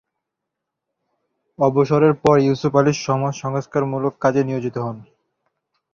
অবসরের পর ইউসুফ আলি সমাজ সংস্কারমূলক কাজে নিয়োজিত হন।